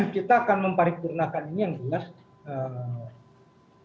kita akan memparipurnakan ini yang jelas